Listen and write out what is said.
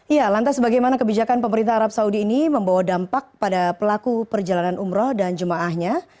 ya lantas bagaimana kebijakan pemerintah arab saudi ini membawa dampak pada pelaku perjalanan umroh dan jemaahnya